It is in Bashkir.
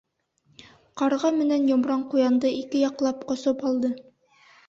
Ҡарға менән йомран ҡуянды ике яҡлап ҡосоп алды.